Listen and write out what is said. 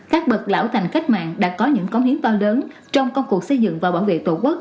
các bậc lão thành cách mạng đã có những công hiến to lớn trong công cuộc xây dựng và bảo vệ tổ quốc